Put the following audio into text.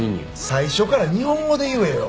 最初から日本語で言えよ！